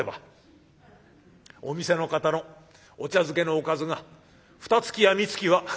お店の方のお茶漬けのおかずがふたつきやみつきは」。